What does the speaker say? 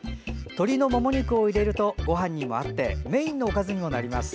鶏のもも肉を入れるとごはんにも合ってメインのおかずにもなります。